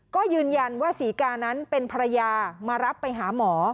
ก็ยืนยันว่าศรีกานั้นเป็นภรรยามารับไปหาหมอ